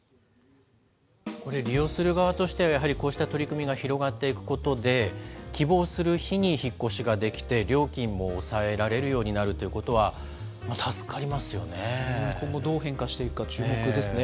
これ、利用する側としては、やはりこうした取り組みが広がっていくことで、希望する日に引っ越しができて、料金も抑えられるようになるということは、助かり今後、どう変化していくか、注目ですね。